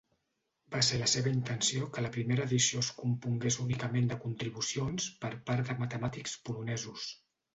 Va ser la seva intenció que la primera edició es compongués únicament de contribucions per part de matemàtics polonesos.